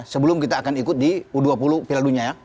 sebelum kita akan ikut di u dua puluh piala dunia ya